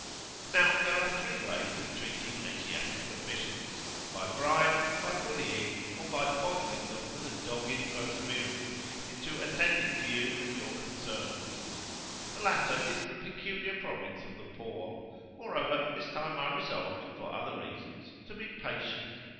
Now there are three ways of treating Asiatic officials, by bribe, by bullying, or by bothering them with a dogged perseverance into attending to you and your concerns. The latter is the peculiar province of the poor; moreover, this time I resolved, for other reasons, to be patient.